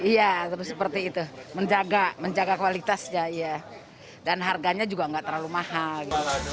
ya terus seperti itu menjaga kualitasnya dan harganya juga tidak terlalu mahal